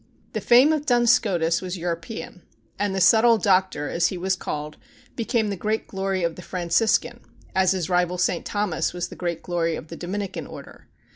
The fame of Duns Scotus was European, and the Subtle Doctor, as he was called, became the great glory of the Franciscan, as his rival St. Thomas was the great glory of the Dominican, order.